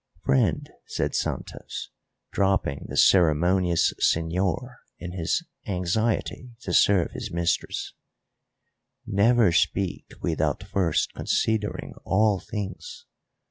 "Friend," said Santos, dropping the ceremonious señor in his anxiety to serve his mistress, "never speak without first considering all things.